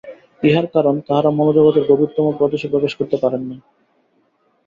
ইহার কারণ, তাঁহারা মনোজগতের গভীরতম প্রদেশে প্রবেশ করিতে পারেন নাই।